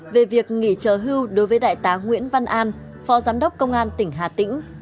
về việc nghỉ trở hưu đối với đại tá nguyễn văn an phó giám đốc công an tỉnh hà tĩnh